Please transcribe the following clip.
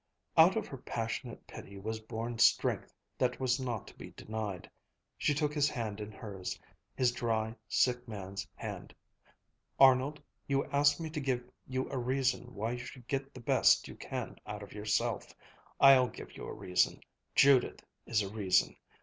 Out of her passionate pity was born strength that was not to be denied. She took his hand in hers, his dry, sick man's hand. "Arnold, you asked me to give you a reason why you should get the best you can out of yourself. I'll give you a reason. Judith is a reason.